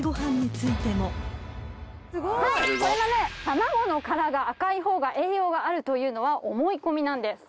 卵の殻が赤い方が栄養があるというのは思い込みなんです。